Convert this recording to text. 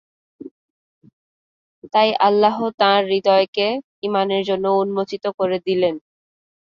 তাই আল্লাহ তাঁর হৃদয়কে ঈমানের জন্য উন্মোচিত করে দিলেন।